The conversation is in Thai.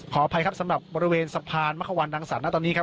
อภัยครับสำหรับบริเวณสะพานมะควันดังสรรณะตอนนี้ครับ